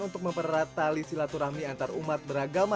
untuk mempererat tali silaturahmi antar umat beragama